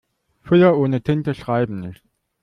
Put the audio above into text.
Füller ohne Tinte schreiben nicht.